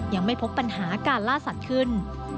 ยังไม่พบปัญหาการล่าสัตว์ขึ้น